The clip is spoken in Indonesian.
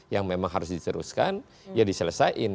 yang memang harus diteruskan ya diselesaikan